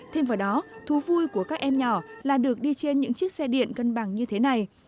thêm vào đó thú vui của các em nhỏ là được đi trên những chiếc xe điện cân bằng như thế này